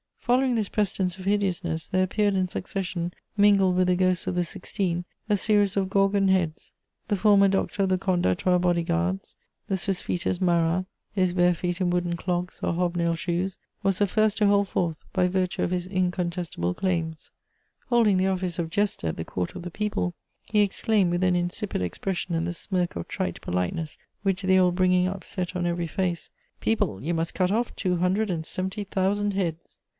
* Following this precedence of hideousness, there appeared in succession, mingled with the ghosts of the Sixteen, a series of gorgon heads. The former doctor of the Comte d'Artois' Bodyguards, the Swiss fœtus Marat, his bare feet in wooden clogs or hob nailed shoes, was the first to hold forth, by virtue of his incontestable claims. Holding the office of "jester" at the Court of the people, he exclaimed, with an insipid expression and the smirk of trite politeness which the old bringing up set on every face: "People, you must cut off two hundred and seventy thousand heads!"